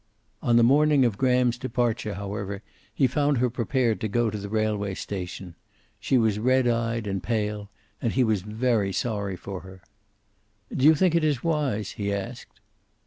On the morning of Graham's departure, however, he found her prepared to go to the railway station. She was red eyed and pale, and he was very sorry for her. "Do you think it is wise?" he asked.